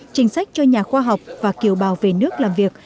chính sách cho nhà khoa học và kiều bào về nước làm việc